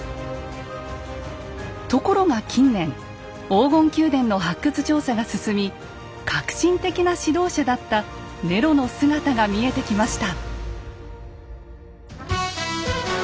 ところが近年黄金宮殿の発掘調査が進み革新的な指導者だったネロの姿が見えてきました。